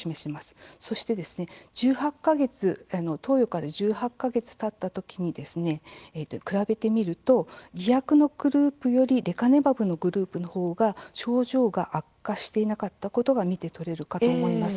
そして、投与から１８か月たった時に比べてみると偽薬のグループよりレカネマブのグループの方が症状が悪化していなかったことが見てとれるかと思います。